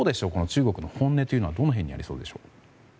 中国の本音というのはどの辺にありそうですか。